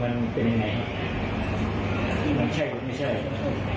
มันใช่หรือไม่ใช่